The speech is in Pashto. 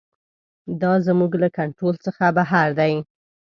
دا زموږ له کنټرول څخه بهر دی.